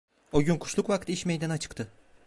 O gün kuşluk vakti iş meydana çıktı.